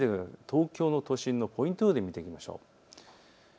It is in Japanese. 東京都心のポイント予報で見ていきましょう。